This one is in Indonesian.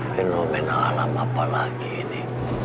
fenomena alam apa lagi ini